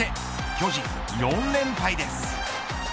巨人、４連敗です。